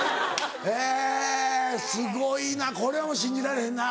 えぇすごいなこれはもう信じられへんな。